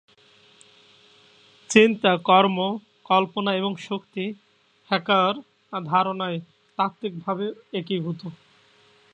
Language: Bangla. চিন্তা, কর্ম, কল্পনা এবং শক্তি "হেকা"র ধারণায় তাত্ত্বিকভাবে একীভূত।